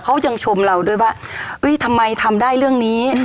เขายังชมเราด้วยว่าทำไมทำได้เรื่องนี้